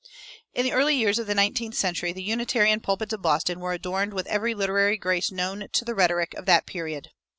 In the early years of the nineteenth century the Unitarian pulpits of Boston were adorned with every literary grace known to the rhetoric of that period.